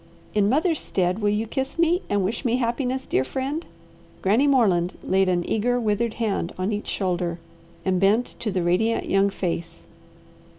In mother's stead, will you kiss me, and wish me happiness, dear friend?" Granny Moreland laid an eager, withered hand on each shoulder, and bent to the radiant young face.